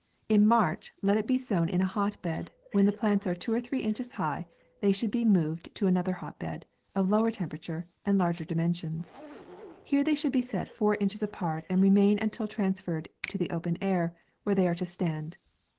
In March, let it be sown in a hot bed ; when the plants are two or three inches high, they should be moved to another hot bed, of lower temperature, and larger dimensions ; here they should be set four inches apart, and remain until transfer red to the open air, where they are to stand.